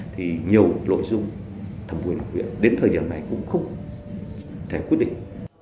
thì nhiều lội dung thẩm quyền huyện đến thời gian này cũng không thể quyết định